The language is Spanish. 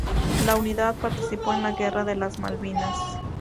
La unidad participó en la Guerra de las Malvinas.